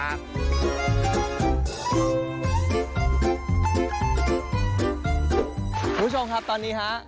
คุณผู้ชมครับตอนนี้ฮะ